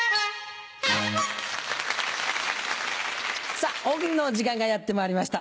さぁ「大喜利」の時間がやってまいりました。